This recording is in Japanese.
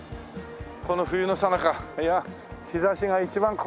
この冬のさなかいや日差しが一番恋しいですわ。